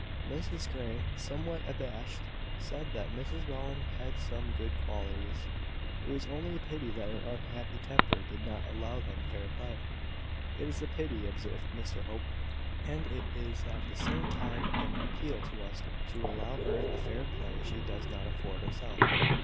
Mrs Grey, somewhat abashed, said that Mrs Rowland had some good qualities: it was only a pity that her unhappy temper did not allow them fair play. "It is a pity," observed Mr Hope; "and it is at the same time, an appeal to us to allow her the fair play she does not afford herself.